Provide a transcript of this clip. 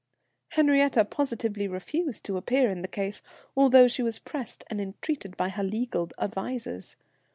"Henriette positively refused to appear in the case, although she was pressed and entreated by her legal advisers.